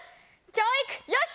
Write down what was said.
教育よし！